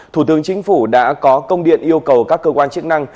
thủ tướng chính phủ đã có công điện yêu cầu các cơ quan chức năng